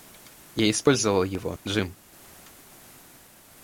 Я использовал его, Джим.